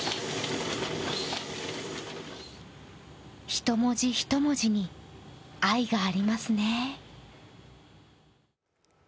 ひと文字ひと文字に愛がありますね。